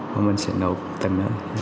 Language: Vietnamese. và mình sẽ nấu tầm nữa